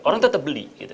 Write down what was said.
orang tetap beli